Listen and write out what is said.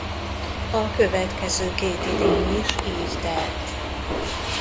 A következő két idény is így telt.